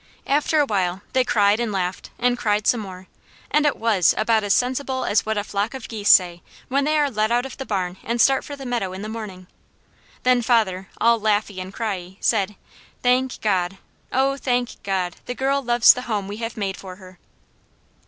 After a while they cried and laughed, and cried some more, and it was about as sensible as what a flock of geese say when they are let out of the barn and start for the meadow in the morning. Then father, all laughy and criey, said: "Thank God! Oh, thank God, the girl loves the home we have made for her!"